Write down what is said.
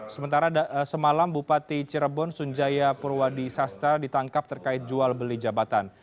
sementara semalam bupati cirebon sunjaya purwadi sastra ditangkap terkait jual beli jabatan